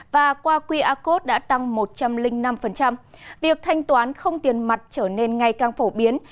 và qua qr code đã tăng một trăm linh năm việc thanh toán không tiền mặt trở nên ngày càng phổ biến